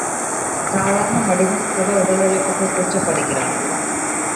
சாதாரண மனிதன்கூட உடலுழைப்புக்கு கூச்சப்படுகிறான்.